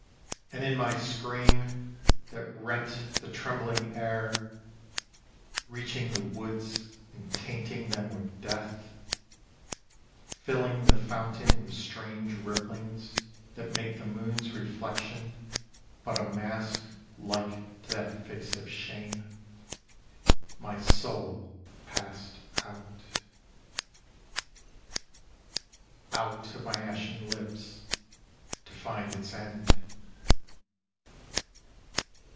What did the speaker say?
And in my scream — that rent the trembling air, Reaching the woods and tainting them with death, Filling the fountain with strange ripplings That make the moon's reflection but a mask Like to that face of shame — my soul passed out — Out of my ashen lips, to find its end.